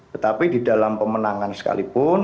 tetapi di dalam pemenangan sekalipun